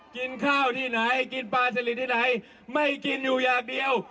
กินข้าวที่ไหนกินปลาสลิดที่ไหนไม่กินอยู่อย่างเดียว